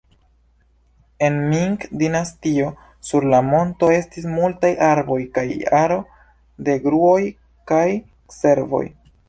En Ming-dinastio sur la monto estis multaj arboj kaj aro da gruoj kaj cervoj.